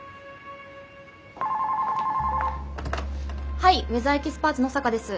☎はいウェザーエキスパーツ野坂です。